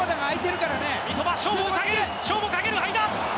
勝負をかける。